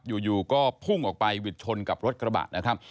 อยู่ก็พุ่งออกไปวิดชนกับรถกระบะนะครับ